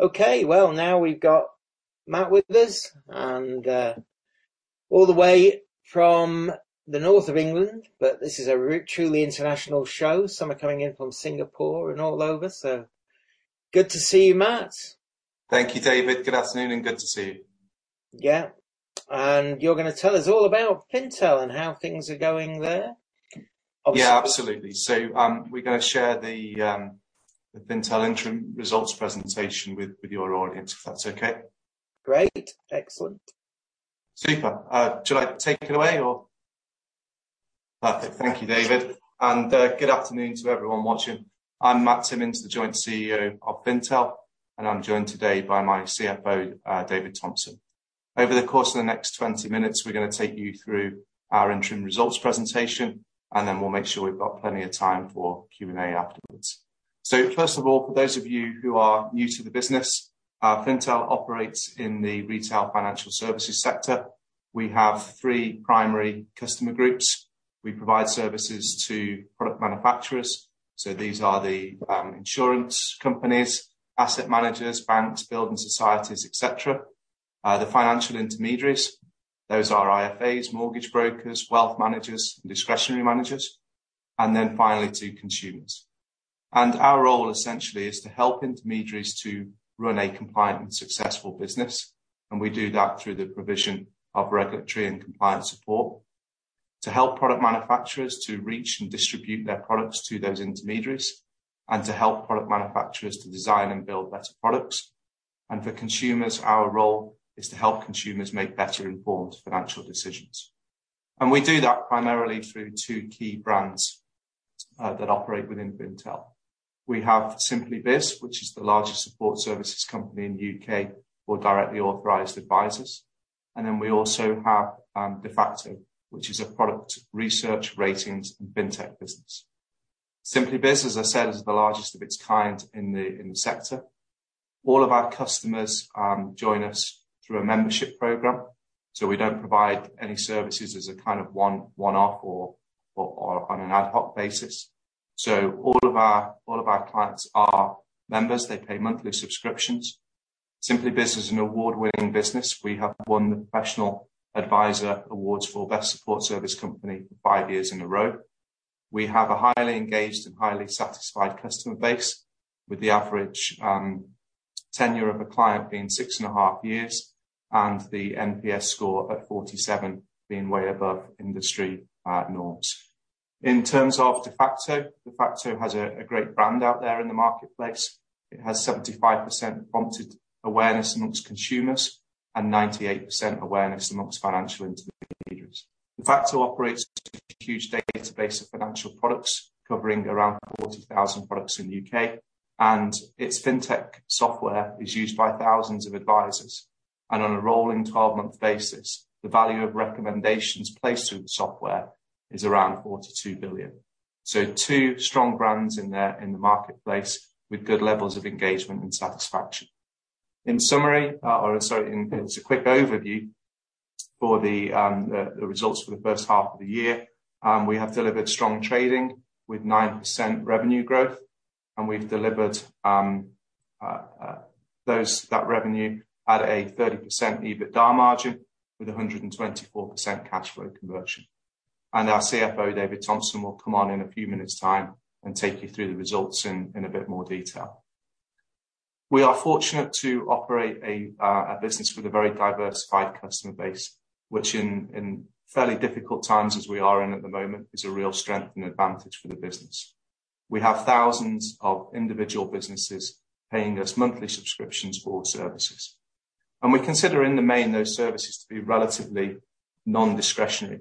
Okay. Well, now we've got Matt with us, and all the way from the north of England, but this is a truly international show. Some are coming in from Singapore and all over. Good to see you, Matt. Thank you, David. Good afternoon, and good to see you. Yeah. You're gonna tell us all about Fintel and how things are going there. Obviously. Yeah, absolutely. We're gonna share the Fintel interim results presentation with your audience, if that's okay. Great. Excellent. Super. Shall I take it away or? Perfect. Thank you, David. Good afternoon to everyone watching. I'm Matt Timmins, the joint CEO of Fintel, and I'm joined today by my CFO, David Thompson. Over the course of the next 20 minutes, we're gonna take you through our interim results presentation, and then we'll make sure we've got plenty of time for Q&A afterwards. First of all, for those of you who are new to the business, Fintel operates in the retail financial services sector. We have three primary customer groups. We provide services to product manufacturers. These are the insurance companies, asset managers, banks, building societies, et cetera. The financial intermediaries, those are IFAs, mortgage brokers, wealth managers, and discretionary managers, and then finally to consumers. Our role essentially is to help intermediaries to run a compliant and successful business, and we do that through the provision of regulatory and compliance support to help product manufacturers to reach and distribute their products to those intermediaries, and to help product manufacturers to design and build better products. For consumers, our role is to help consumers make better-informed financial decisions. We do that primarily through two key brands that operate within Fintel. We have SimplyBiz, which is the largest support services company in the U.K. for directly authorized advisors. We also have Defaqto, which is a product research, ratings, and fintech business. SimplyBiz, as I said, is the largest of its kind in the sector. All of our customers join us through a membership program, so we don't provide any services as a kind of one-off or on an ad hoc basis. All of our clients are members. They pay monthly subscriptions. SimplyBiz is an award-winning business. We have won the Professional Adviser Awards for best support service company five years in a row. We have a highly engaged and highly satisfied customer base, with the average tenure of a client being six and half years, and the NPS score at 47 being way above industry norms. In terms of Defaqto has a great brand out there in the marketplace. It has 75% prompted awareness amongst consumers and 98% awareness amongst financial intermediaries. Defaqto operates a huge database of financial products, covering around 40,000 products in the UK, and its fintech software is used by thousands of advisors. On a rolling 12 month basis, the value of recommendations placed through the software is around 42 billion. Two strong brands in the marketplace with good levels of engagement and satisfaction. In summary, in as a quick overview for the results for the H1 of the year, we have delivered strong trading with 9% revenue growth, and we've delivered that revenue at a 30% EBITDA margin with a 124% cash flow conversion. Our CFO, David Thompson, will come on in a few minutes' time and take you through the results in a bit more detail. We are fortunate to operate a business with a very diversified customer base, which in fairly difficult times as we are in at the moment, is a real strength and advantage for the business. We have thousands of individual businesses paying us monthly subscriptions for services, and we consider in the main those services to be relatively non-discretionary.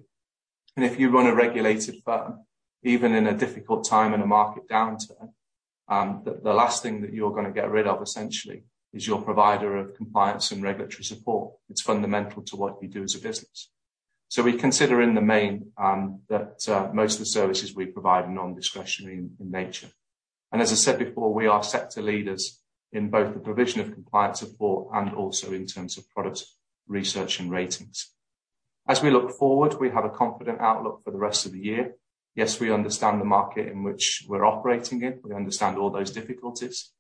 If you run a regulated firm, even in a difficult time in a market downturn, the last thing that you're gonna get rid of essentially is your provider of compliance and regulatory support. It's fundamental to what you do as a business. We consider in the main that most of the services we provide are non-discretionary in nature. As I said before, we are sector leaders in both the provision of compliance support and also in terms of product research and ratings. As we look forward, we have a confident outlook for the rest of the year. Yes, we understand the market in which we're operating in. We understand all those difficulties.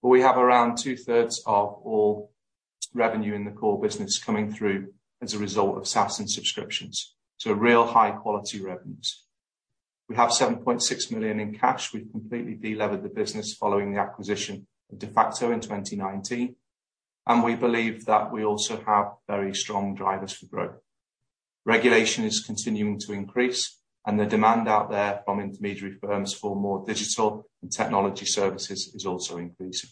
We have around two-thirds of all revenue in the core business coming through as a result of SaaS and subscriptions, so real high-quality revenues. We have 7.6 million in cash. We've completely de-levered the business following the acquisition of Defaqto in 2019. We believe that we also have very strong drivers for growth. Regulation is continuing to increase, and the demand out there from intermediary firms for more digital and technology services is also increasing.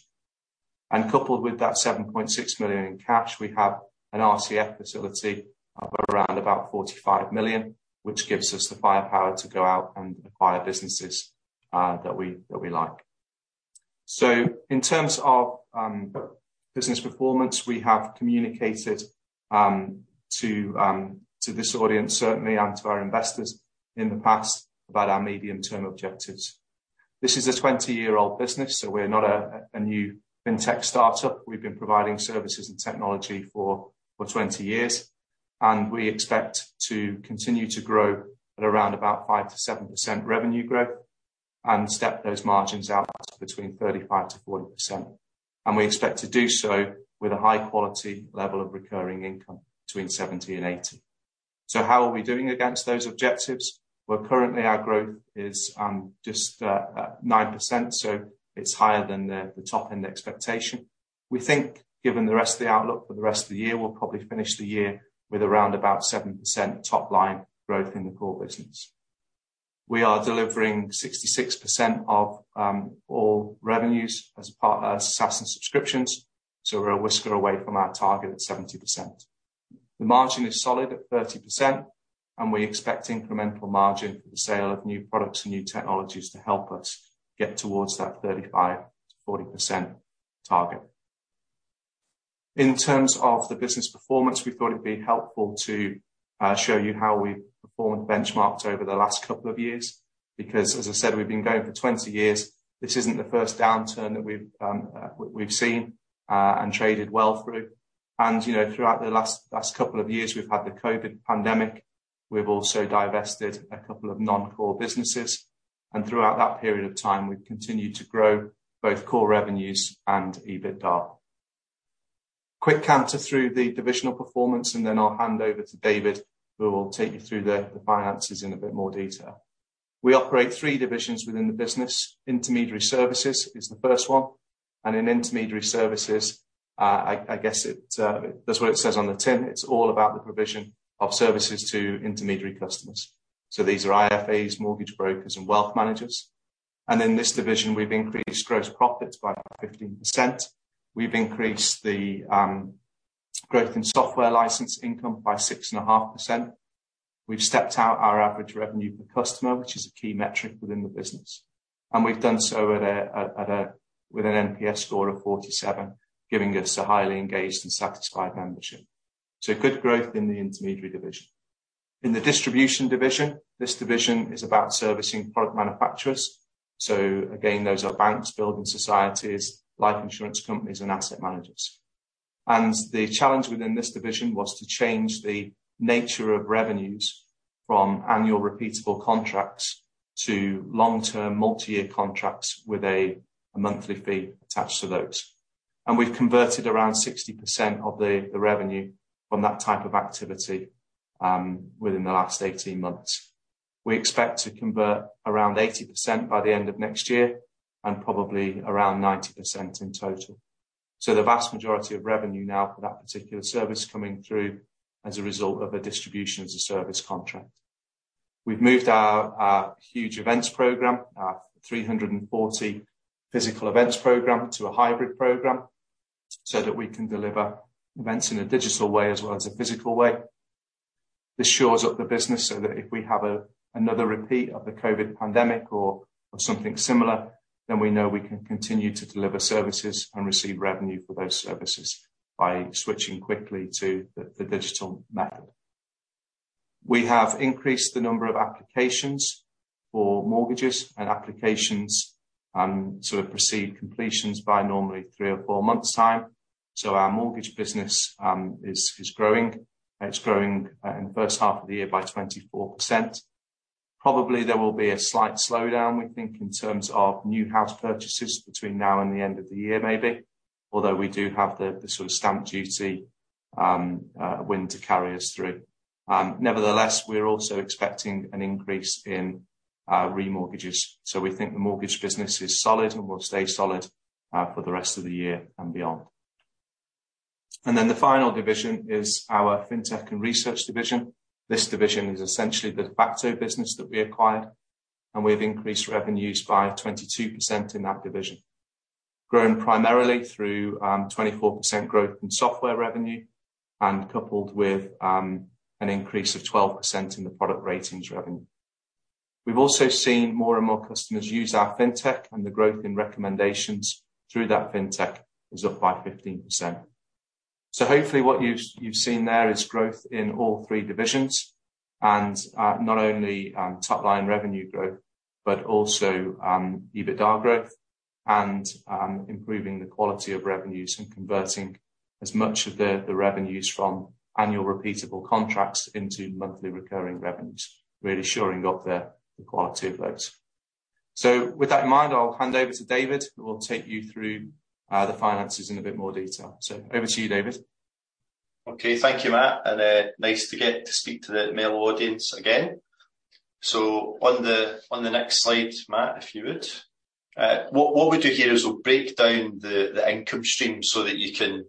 Coupled with that 7.6 million in cash, we have an RCF facility of around 45 million, which gives us the firepower to go out and acquire businesses that we like. In terms of business performance, we have communicated to this audience certainly, and to our investors in the past about our medium-term objectives. This is a 20-year-old business, so we're not a new fintech startup. We've been providing services and technology for 20 years. We expect to continue to grow at around about 5%-7% revenue growth and step those margins out between 35%-40%. We expect to do so with a high quality level of recurring income between 70%-80%. How are we doing against those objectives? Well, currently our growth is just at 9%, so it's higher than the top-end expectation. We think given the rest of the outlook for the rest of the year, we'll probably finish the year with around about 7% top line growth in the core business. We are delivering 66% of all revenues as a part as SaaS and subscriptions, so we're a whisker away from our target at 70%. The margin is solid at 30%, and we expect incremental margin for the sale of new products and new technologies to help us get towards that 35%-40% target. In terms of the business performance, we thought it'd be helpful to show you how we've performed benchmarked over the last couple of years because as I said, we've been going for 20 years. This isn't the first downturn that we've seen and traded well through. You know, throughout the last couple of years, we've had the COVID pandemic. We've also divested a couple of non-core businesses, and throughout that period of time we've continued to grow both core revenues and EBITDA. Quick canter through the divisional performance and then I'll hand over to David, who will take you through the finances in a bit more detail. We operate three divisions within the business. Intermediary services is the first one, and in intermediary services, I guess it, that's what it says on the tin. It's all about the provision of services to intermediary customers. So these are IFAs, mortgage brokers and wealth managers. In this division we've increased gross profits by 15%. We've increased the growth in software license income by 6.5%. We've stepped out our average revenue per customer, which is a key metric within the business. We've done so with an NPS score of 47, giving us a highly engaged and satisfied membership. Good growth in the intermediary division. In the distribution division, this division is about servicing product manufacturers. Those are banks, building societies, life insurance companies and asset managers. The challenge within this division was to change the nature of revenues from annual repeatable contracts to long-term multi-year contracts with a monthly fee attached to those. We've converted around 60% of the revenue from that type of activity within the last 18 months. We expect to convert around 80% by the end of next year and probably around 90% in total. The vast majority of revenue now for that particular service coming through as a result of a distribution as a service contract. We've moved our huge events program, our 340 physical events program, to a hybrid program so that we can deliver events in a digital way as well as a physical way. This shores up the business so that if we have another repeat of the COVID pandemic or something similar, then we know we can continue to deliver services and receive revenue for those services by switching quickly to the digital method. We have increased the number of applications for mortgages and applications to proceed completions by normally three or four months' time. Our mortgage business is growing, and it's growing in the H1 of the year by 24%. Probably there will be a slight slowdown, we think, in terms of new house purchases between now and the end of the year, maybe. Although we do have the sort of stamp duty wind to carry us through. Nevertheless, we're also expecting an increase in remortgages. We think the mortgage business is solid and will stay solid for the rest of the year and beyond. Then the final division is our fintech and research division. This division is essentially the Defaqto business that we acquired, and we've increased revenues by 22% in that division. Growing primarily through 24% growth in software revenue and coupled with an increase of 12% in the product ratings revenue. We've also seen more and more customers use our fintech and the growth in recommendations through that fintech is up by 15%. Hopefully what you've seen there is growth in all three divisions and not only top line revenue growth but also EBITDA growth and improving the quality of revenues and converting as much of the revenues from annual repeatable contracts into monthly recurring revenues, really shoring up the quality of those. With that in mind, I'll hand over to David, who will take you through the finances in a bit more detail. Over to you, David. Okay. Thank you, Matt. Nice to get to speak to the male audience again. On the next slide, Matt, if you would. What we do here is we'll break down the income stream so that you can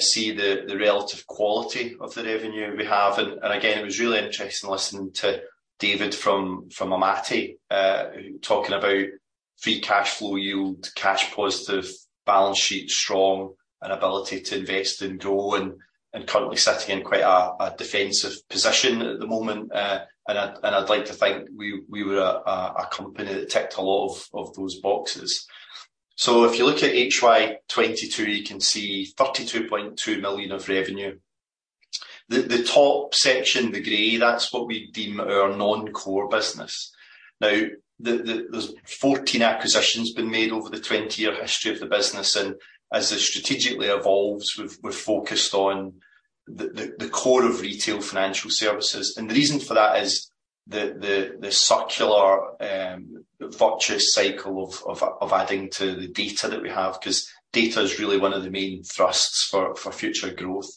see the relative quality of the revenue we have. Again, it was really interesting listening to David from Amati talking about free cash flow yield, cash positive balance sheet strong, and ability to invest and grow and currently sitting in quite a defensive position at the moment. I'd like to think we were a company that ticked a lot of those boxes. If you look at HY '22, you can see 32.2 million of revenue. The top section, the gray, that's what we deem our non-core business. Now, there's 14 acquisitions been made over the 20-year history of the business, and as it strategically evolves, we've focused on the core of retail financial services. The reason for that is the circular virtuous cycle of adding to the data that we have, 'cause data is really one of the main thrusts for future growth.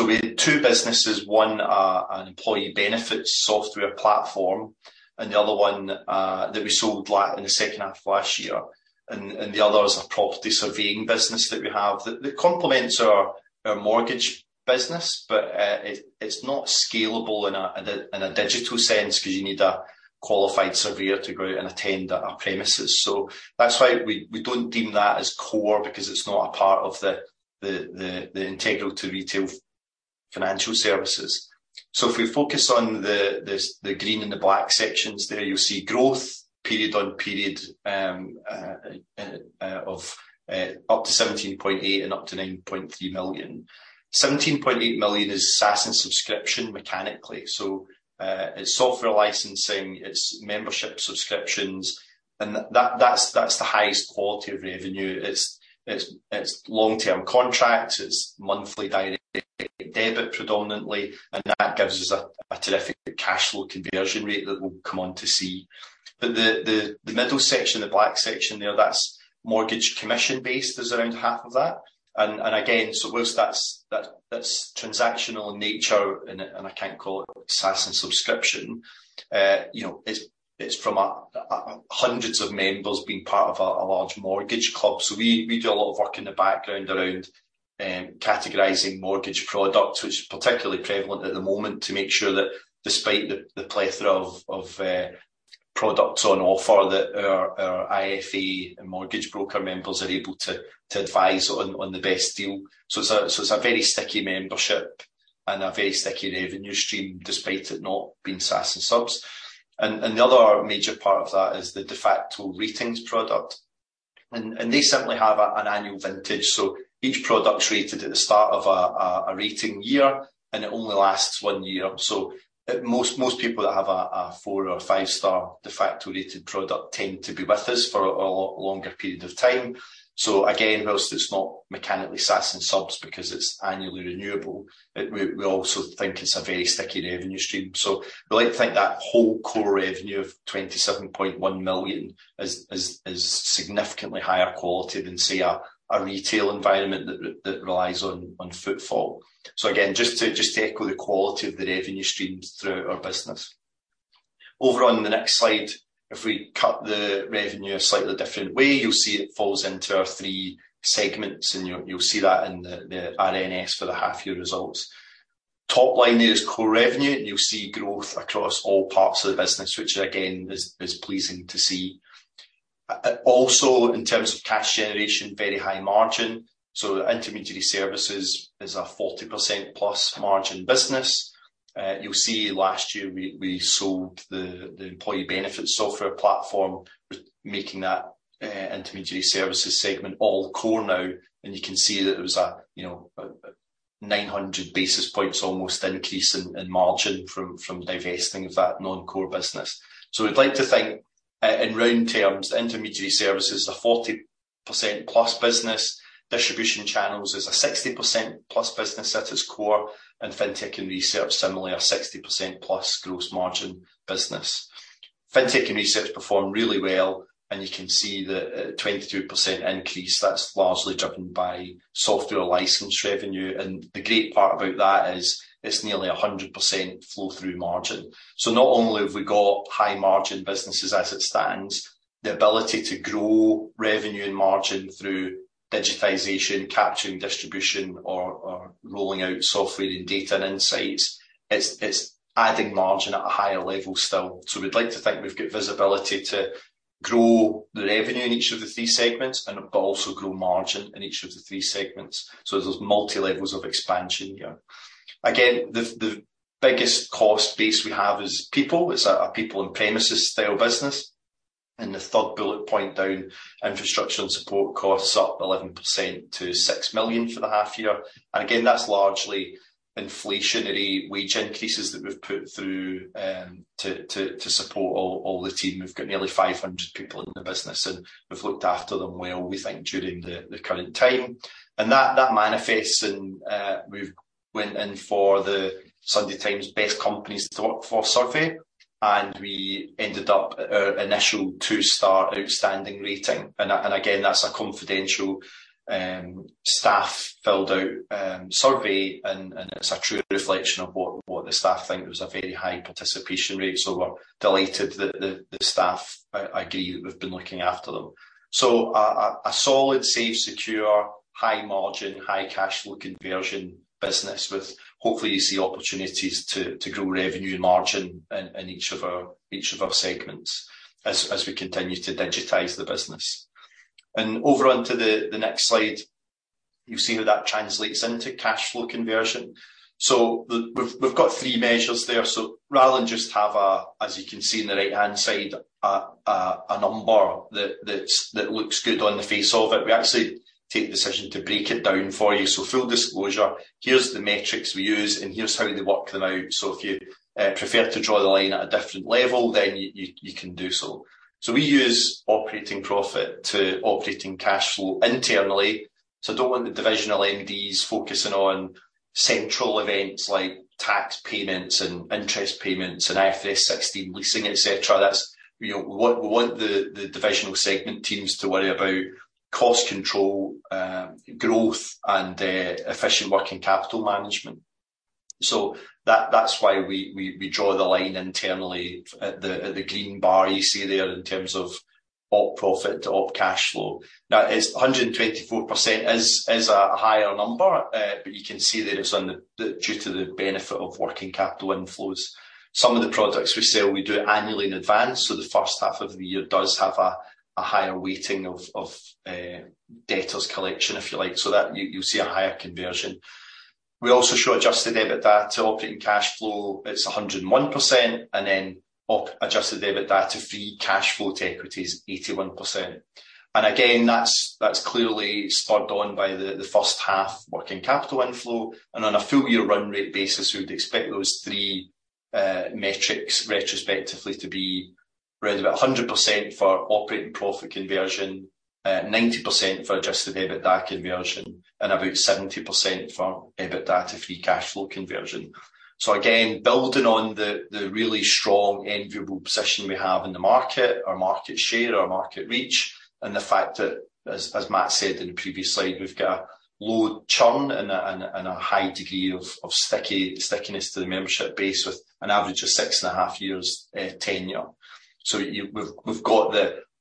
We had two businesses, one an employee benefits software platform and the other one that we sold in the H2 of last year. The other is a property surveying business that we have that complements our mortgage business. It's not scalable in a digital sense because you need a qualified surveyor to go out and attend at a premises. That's why we don't deem that as core because it's not integral to retail financial services. If we focus on the green and the black sections there, you'll see growth period-on-period of up to 17.8 million and up to 9.3 million. 17.8 million is SaaS and subscription mechanically. It's software licensing, it's membership subscriptions, and that's the highest quality of revenue. It's long-term contracts, it's monthly direct debit predominantly, and that gives us a terrific cash flow conversion rate that we'll come on to see. The middle section, the black section there, that's mortgage commission-based is around half of that. Again, while that's transactional in nature and I can't call it SaaS and subscription, you know, it's from hundreds of members being part of a large mortgage club. We do a lot of work in the background around categorizing mortgage products, which is particularly prevalent at the moment to make sure that despite the plethora of products on offer that our IFA and mortgage broker members are able to advise on the best deal. It's a very sticky membership and a very sticky revenue stream, despite it not being SaaS and subs. The other major part of that is the Defaqto ratings product. They simply have an annual vintage. Each product's rated at the start of a rating year, and it only lasts one year. Most people that have a four or a five-star Defaqto rated product tend to be with us for a lot longer period of time. Again, while it's not mechanically SaaS and subs because it's annually renewable, we also think it's a very sticky revenue stream. We like to think that whole core revenue of 27.1 million is significantly higher quality than, say, a retail environment that relies on footfall. Again, just to echo the quality of the revenue streams throughout our business. Over on the next slide, if we cut the revenue a slightly different way, you'll see it falls into our three segments and you'll see that in the RNS for the half year results. Top line there is core revenue, and you'll see growth across all parts of the business, which again is pleasing to see. Also in terms of cash generation, very high margin. The intermediary services is a 40%+ margin business. You'll see last year we sold the employee benefits software platform, making that intermediary services segment all core now. You can see that it was a you know 900 basis points almost increase in margin from divesting of that non-core business. We'd like to think in round terms, the intermediary services is a 40%+ business. Distribution channels is a 60%+ business at its core. Fintech and research, similarly, a 60%+ gross margin business. Fintech and research performed really well, and you can see the 23% increase that's largely driven by software license revenue. The great part about that is it's nearly a 100% flow through margin. Not only have we got high margin businesses as it stands, the ability to grow revenue and margin through digitization, capturing distribution or rolling out software and data and insights, it's adding margin at a higher level still. We'd like to think we've got visibility to grow the revenue in each of the three segments, but also grow margin in each of the three segments. There's multi-levels of expansion here. The biggest cost base we have is people. It's a people and premises style business. In the third bullet point down, infrastructure and support costs are up 11% to 6 million for the half year. Again, that's largely inflationary wage increases that we've put through to support all the team. We've got nearly 500 people in the business, and we've looked after them well, we think, during the current time. That manifests in, we've went in for the Sunday Times Best Companies to Work For survey, and we ended up at our initial two-star outstanding rating. Again, that's a confidential staff filled out survey and it's a true reflection of what the staff think. It was a very high participation rate, so we're delighted that the staff agree that we've been looking after them. A solid, safe, secure, high margin, high cash flow conversion business with hopefully you see opportunities to grow revenue and margin in each of our segments as we continue to digitize the business. Over onto the next slide, you'll see how that translates into cash flow conversion. We've got three measures there. Rather than just have, as you can see on the right-hand side, a number that looks good on the face of it, we actually take the decision to break it down for you. Full disclosure, here's the metrics we use and here's how we work them out. If you prefer to draw the line at a different level, then you can do so. We use operating profit to operating cash flow internally. I don't want the divisional MDs focusing on central events like tax payments and interest payments and IFRS 16 leasing, et cetera. That's, you know, we want the divisional segment teams to worry about cost control, growth and efficient working capital management. That's why we draw the line internally at the green bar you see there in terms of op profit to op cash flow. Now it's 124% is a higher number, but you can see that it's on the due to the benefit of working capital inflows. Some of the products we sell, we do it annually in advance, so the H1 of the year does have a higher weighting of debtors collection, if you like. That you'll see a higher conversion. We also show adjusted EBITDA to operating cash flow, it's 101%, and then adjusted EBITDA to free cash flow to equity is 81%. Again, that's clearly spurred on by the H1 working capital inflow. On a full year run rate basis, we would expect those three metrics retrospectively to be around about 100% for operating profit conversion, 90% for adjusted EBITDA conversion, and about 70% for EBITDA to free cash flow conversion. Again, building on the really strong, enviable position we have in the market, our market share, our market reach, and the fact that as Matt said in the previous slide, we've got a low churn and a high degree of stickiness to the membership base with an average of six and a half years tenure. We've got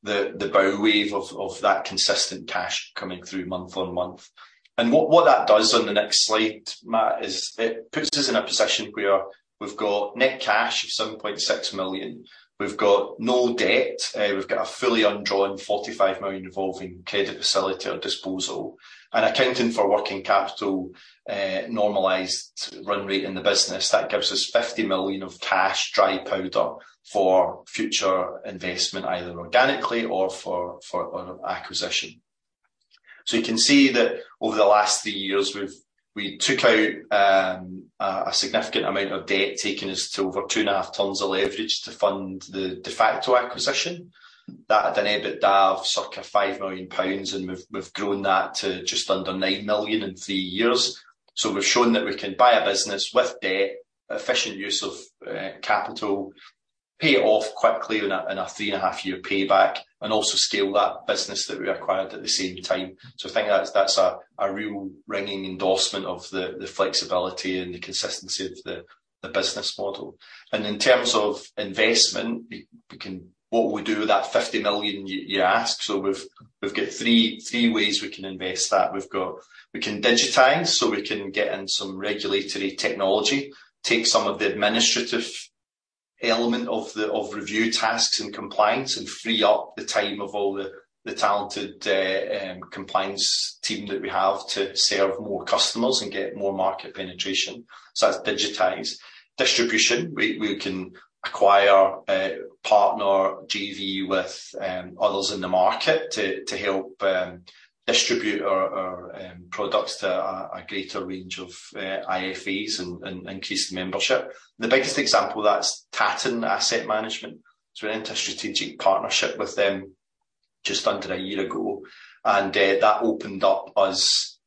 the bow wave of that consistent cash coming through month on month. What that does on the next slide, Matt, is it puts us in a position where we've got net cash of 7.6 million. We've got no debt. We've got a fully undrawn 45 million revolving credit facility at our disposal. Accounting for working capital, normalized run rate in the business, that gives us 50 million of cash dry powder for future investment, either organically or acquisition. You can see that over the last three years, we took out a significant amount of debt, taking us to over 2.5x the leverage to fund the Defaqto acquisition. That had an EBITDA of circa 5 million pounds, and we've grown that to just under 9 million in three years. We've shown that we can buy a business with debt, efficient use of capital, pay it off quickly in a three and half year payback, and also scale that business that we acquired at the same time. I think that's a real ringing endorsement of the flexibility and the consistency of the business model. In terms of investment, we can. What we do with that 50 million, you ask. We've got three ways we can invest that. We can digitize, so we can get in some regulatory technology, take some of the administrative element of the review tasks and compliance, and free up the time of all the talented compliance team that we have to serve more customers and get more market penetration. That's digitize. Distribution, we can acquire a partner JV with others in the market to help distribute our products to a greater range of IFAs and increase membership. The biggest example of that is Tatton Asset Management. We went into a strategic partnership with them just under a year ago, and that opened up us.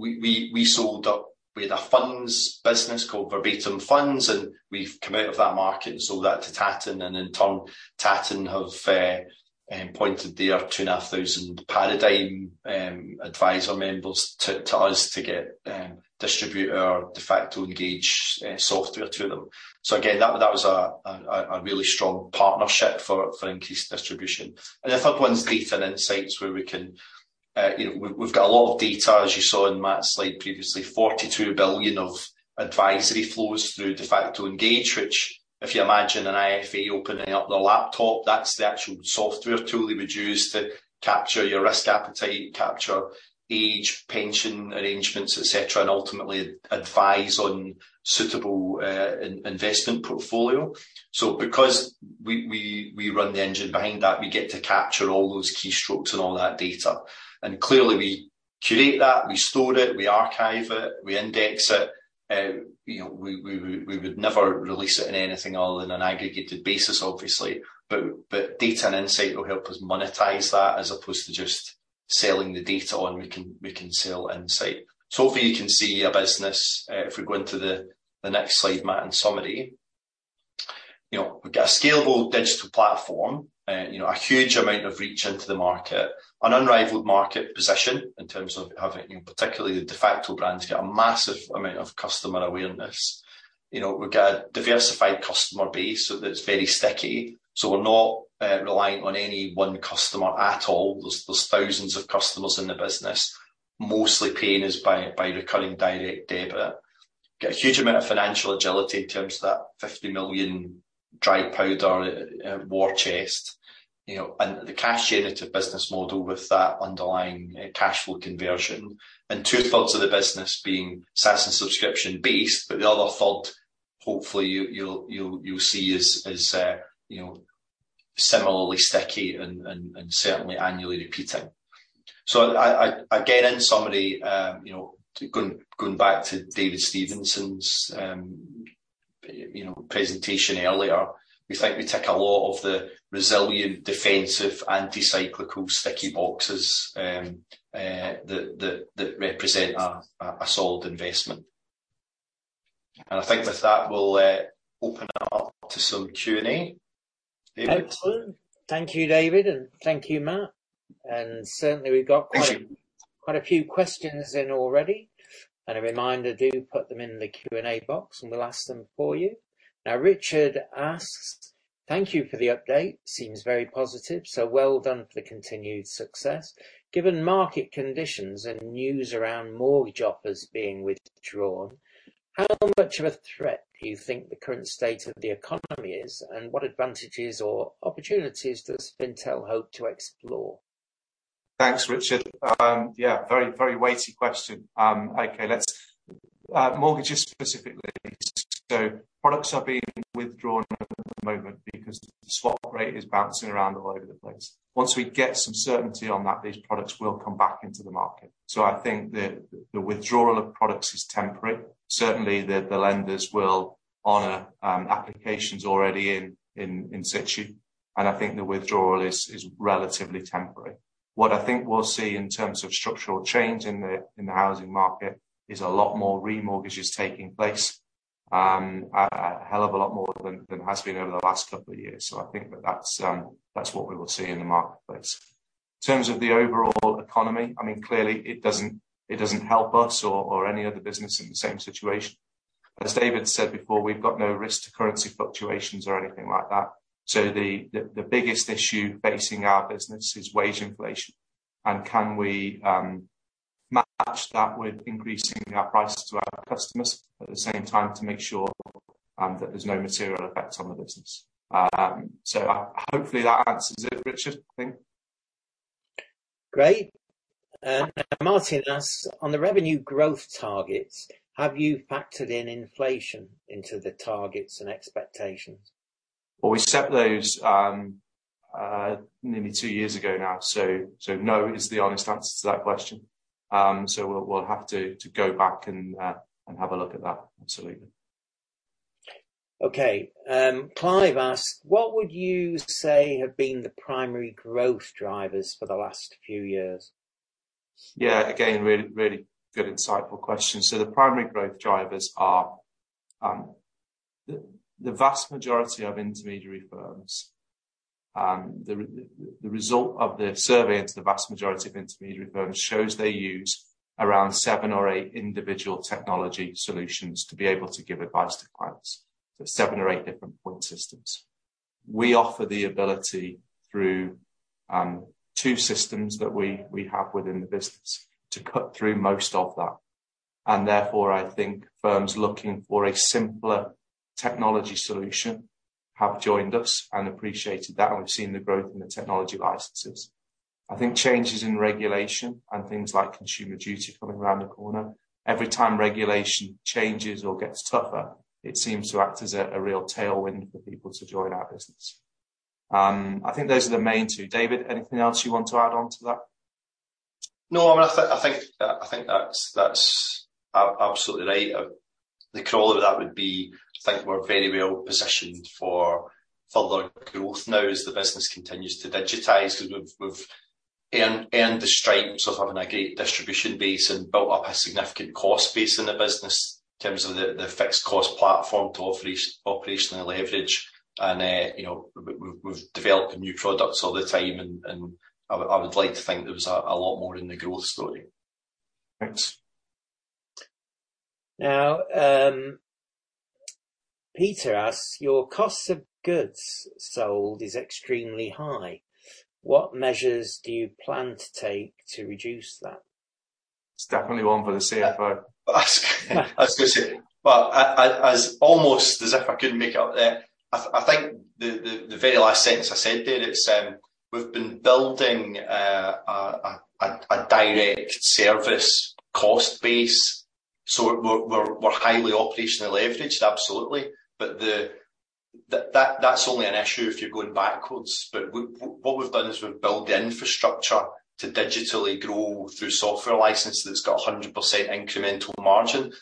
We sold up. We had a funds business called Verbatim Funds, and we've come out of that market and sold that to Tatton. In turn, Tatton have pointed their 2,500 Paradigm adviser members to us to distribute our Defaqto Engage software to them. That was a really strong partnership for increased distribution. The third one's data and insights, where we can, you know, we've got a lot of data, as you saw in Matt's slide previously, 42 billion of advisory flows through Defaqto Engage, which if you imagine an IFA opening up their laptop, that's the actual software tool they would use to capture your risk appetite, capture age, pension arrangements, et cetera, and ultimately advise on suitable, investment portfolio. Because we run the engine behind that, we get to capture all those keystrokes and all that data. Clearly we curate that, we store it, we archive it, we index it. You know, we would never release it in anything other than an aggregated basis, obviously. Data and insight will help us monetize that as opposed to just selling the data on, we can sell insight. Hopefully you can see a business, if we go into the next slide, Matt, in summary. You know, we've got a scalable digital platform. You know, a huge amount of reach into the market. An unrivaled market position in terms of having, you know, particularly the de facto brands get a massive amount of customer awareness. You know, we've got a diversified customer base so that it's very sticky. We're not reliant on any one customer at all. There's thousands of customers in the business, mostly paying us by recurring direct debit. Get a huge amount of financial agility in terms of that 50 million dry powder war chest. You know, and the cash generative business model with that underlying cash flow conversion. Two-thirds of the business being SaaS and subscription-based, but the other third, hopefully you'll see is similarly sticky and certainly annually repeating. I again, in summary, going back to David Stevenson's presentation earlier. We think we tick a lot of the resilient defensive, anti-cyclical sticky boxes that represent a solid investment. I think with that, we'll open up to some Q&A. David. Excellent. Thank you, David, and thank you, Matt. Certainly, we've got quite. Thank you. Quite a few questions in already. A reminder, do put them in the Q&A box, and we'll ask them for you. Now, Richard asks, "Thank you for the update. Seems very positive, so well done for the continued success. Given market conditions and news around mortgage offers being withdrawn, how much of a threat do you think the current state of the economy is, and what advantages or opportunities does Fintel hope to explore? Thanks, Richard. Yeah, very weighty question. Okay, mortgages specifically. Products are being withdrawn at the moment because the swap rate is bouncing around all over the place. Once we get some certainty on that, these products will come back into the market. I think the withdrawal of products is temporary. Certainly, the lenders will honor applications already in situ, and I think the withdrawal is relatively temporary. What I think we'll see in terms of structural change in the housing market is a lot more remortgages taking place. A hell of a lot more than has been over the last couple of years, so I think that's what we will see in the marketplace. In terms of the overall economy, I mean, clearly it doesn't help us or any other business in the same situation. As David said before, we've got no risk to currency fluctuations or anything like that, so the biggest issue facing our business is wage inflation. Can we match that with increasing our prices to our customers at the same time to make sure that there's no material effect on the business. Hopefully that answers it, Richard, I think. Great. Martin asks, "On the revenue growth targets, have you factored in inflation into the targets and expectations? Well, we set those nearly two years ago now, so no is the honest answer to that question. We'll have to go back and have a look at that. Absolutely. Okay. Clive asks, "What would you say have been the primary growth drivers for the last few years? Yeah, again, really good insightful question. The primary growth drivers are, the vast majority of intermediary firms, the result of the survey into the vast majority of intermediary firms shows they use around seven or eight individual technology solutions to be able to give advice to clients. Seven or eight different point solutions. We offer the ability through two systems that we have within the business to cut through most of that, and therefore, I think firms looking for a simpler technology solution have joined us and appreciated that, and we've seen the growth in the technology licenses. I think changes in regulation and things like Consumer Duty coming around the corner. Every time regulation changes or gets tougher, it seems to act as a real tailwind for people to join our business. I think those are the main two. David, anything else you want to add on to that? No, I mean, I think that's absolutely right. The core of that would be, I think we're very well positioned for further growth now as the business continues to digitize 'cause we've earned our stripes of having a great distribution base and built up a significant cost base in the business in terms of the fixed cost platform to offer operational leverage and, you know, we're developing new products all the time and I would like to think there was a lot more in the growth story. Thanks. Now, Peter asks, "Your costs of goods sold is extremely high. What measures do you plan to take to reduce that? It's definitely one for the CFO. I was gonna say. Well, almost as if I couldn't make it up there, I think the very last sentence I said there is, we've been building a direct service cost base, so we're highly operationally leveraged, absolutely. That's only an issue if you're going backwards. What we've done is we've built the infrastructure to digitally grow through software license that's got a 100% incremental margin.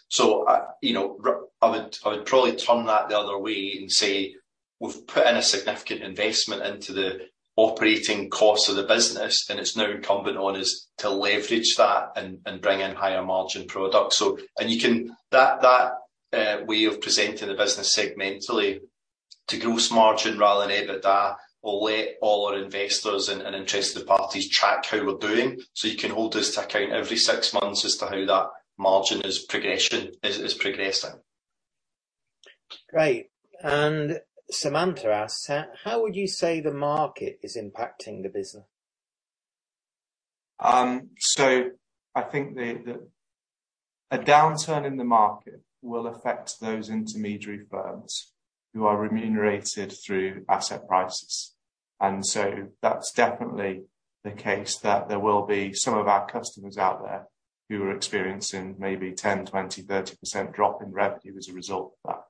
You know, I would probably turn that the other way and say, we've put in a significant investment into the operating costs of the business, and it's now incumbent on us to leverage that and bring in higher margin products. You can. That way of presenting the business segmentally to gross margin rather than EBITDA will let all our investors and interested parties track how we're doing. You can hold us to account every six months as to how that margin is progressing. Great. Samantha asks, "How would you say the market is impacting the business? I think a downturn in the market will affect those intermediary firms who are remunerated through asset prices. That's definitely the case that there will be some of our customers out there who are experiencing maybe 10%, 20%, 30% drop in revenue as a result of that.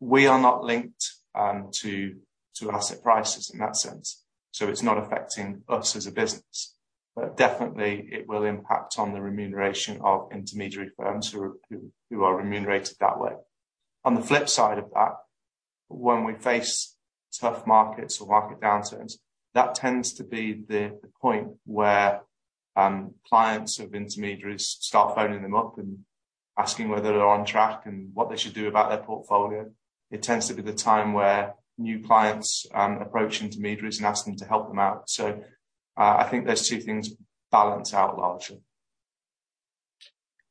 We are not linked to asset prices in that sense, so it's not affecting us as a business. Definitely it will impact on the remuneration of intermediary firms who are remunerated that way. On the flip side of that, when we face tough markets or market downturns, that tends to be the point where clients of intermediaries start phoning them up and asking whether they're on track and what they should do about their portfolio. It tends to be the time where new clients approach intermediaries and ask them to help them out. I think those two things balance out largely.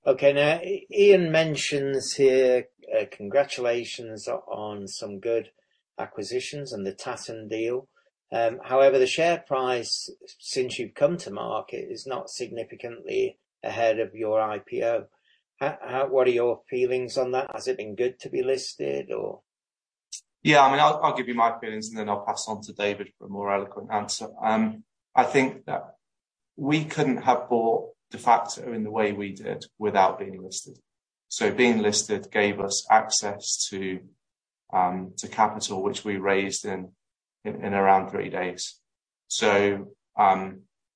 Okay. Now, Ian mentions here, congratulations on some good acquisitions and the Tatton deal. However, the share price since you've come to market is not significantly ahead of your IPO. How? What are your feelings on that? Has it been good to be listed or? Yeah, I mean, I'll give you my opinions and then I'll pass on to David for a more eloquent answer. I think that we couldn't have bought Defaqto in the way we did without being listed. Being listed gave us access to capital, which we raised in around three days.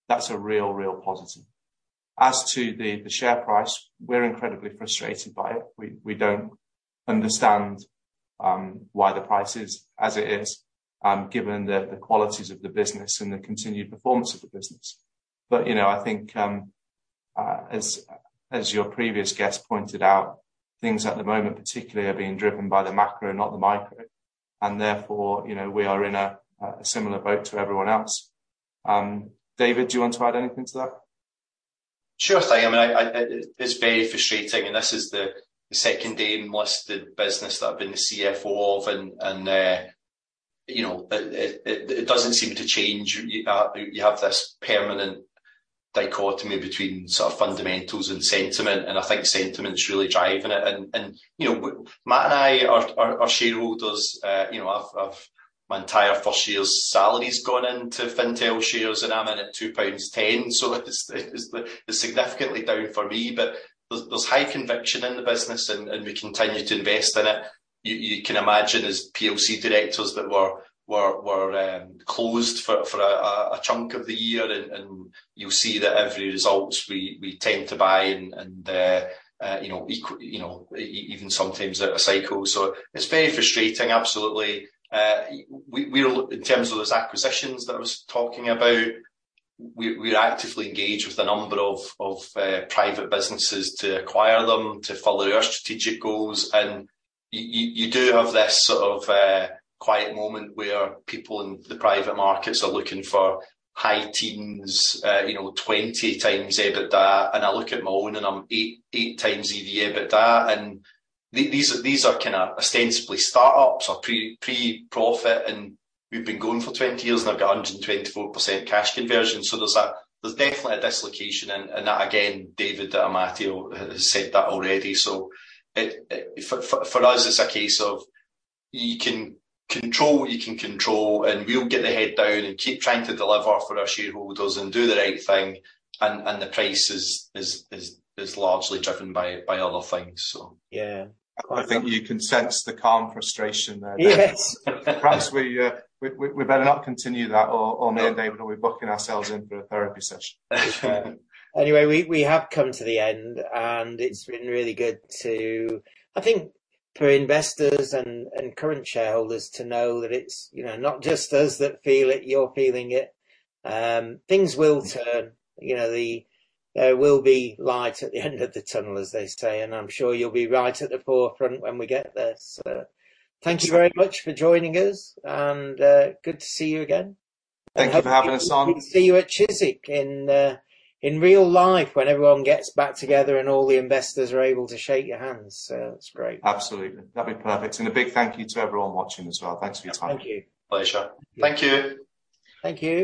That's a real positive. As to the share price, we're incredibly frustrated by it. We don't understand why the price is as it is, given the qualities of the business and the continued performance of the business. You know, I think, as your previous guest pointed out, things at the moment particularly are being driven by the macro and not the micro and therefore, you know, we are in a similar boat to everyone else. David, do you want to add anything to that? Sure thing. I mean, it's very frustrating, and this is the second AIM-listed business that I've been the CFO of, and you know, it doesn't seem to change. You have this permanent dichotomy between sort of fundamentals and sentiment, and I think sentiment's really driving it. Matt and I are shareholders. You know, my entire first year's salary's gone into Fintel shares, and I'm in at 2.10 pounds, so it's significantly down for me. There's high conviction in the business, and we continue to invest in it. You can imagine as PLC directors that were closed for a chunk of the year and you'll see that every results we tend to buy and you know, even sometimes out of cycle. It's very frustrating, absolutely. In terms of those acquisitions that I was talking about, we actively engage with a number of private businesses to acquire them to follow our strategic goals. You do have this sort of quiet moment where people in the private markets are looking for high teens, you know, 20x EBITDA, and I look at my own and I'm 8x EBITDA. These are kinda ostensibly start-ups or pre-profit, and we've been going for 20 years, and I've got 124% cash conversion. There's definitely a dislocation. That again, David, that Matteo has said that already. It. For us, it's a case of you can control what you can control, and we'll get the head down and keep trying to deliver for our shareholders and do the right thing. The price is largely driven by other things. Yeah. I think you can sense the calm frustration there, David. Yes. Perhaps we better not continue that or me and David will be booking ourselves in for a therapy session. Anyway, we have come to the end, and it's been really good to I think for investors and current shareholders to know that it's you know not just us that feel it, you're feeling it. Things will turn, you know. There will be light at the end of the tunnel, as they say, and I'm sure you'll be right at the forefront when we get there. Thank you very much for joining us, and good to see you again. Thank you for having us on. Hope to see you at CISI in real life when everyone gets back together and all the investors are able to shake your hands. That's great. Absolutely. That'd be perfect. A big thank you to everyone watching as well. Thanks for your time. Thank you. Pleasure. Thank you. Thank you.